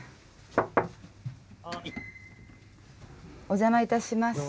お邪魔いたします。